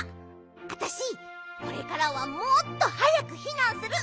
あたしこれからはもっとはやくひなんする。